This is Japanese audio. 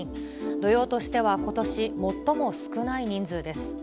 土曜としてはことし最も少ない人数です。